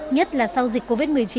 nhất là sau dịch covid một mươi chín